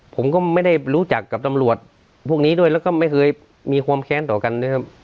ผมก็ไม่ได้รู้จักกับตำรวจพวกนี้ด้วยแล้วก็ไม่เคยมีความแค้นต่อกันด้วยครับ